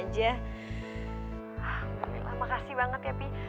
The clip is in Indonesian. ah makasih banget ya pi